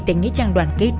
tình nghĩa trang đoàn kết